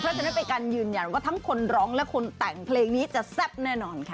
เพราะฉะนั้นเป็นการยืนยันว่าทั้งคนร้องและคนแต่งเพลงนี้จะแซ่บแน่นอนค่ะ